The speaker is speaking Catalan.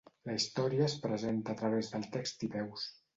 La història es presenta a través de text i veus.